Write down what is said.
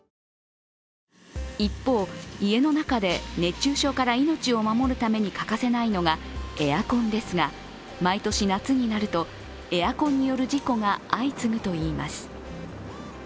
一方、家の中で熱中症から命を守るために欠かせないのがエアコンですが、毎年、夏になると、エアコンによる事故が相次ぐといいます。